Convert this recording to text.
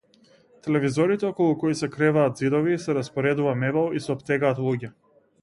Телевизорите околу кои се креваат ѕидови, се распоредува мебел и се оптегаат луѓе.